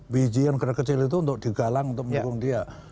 bg yang kecil itu untuk digalang untuk mendukung dia